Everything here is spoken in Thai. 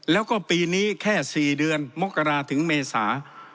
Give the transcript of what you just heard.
แล้วก็ปีนี้แค่๔เดือนมกราถึงเมษา